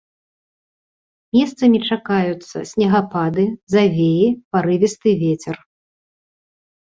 Месцамі чакаюцца снегапады, завеі, парывісты вецер.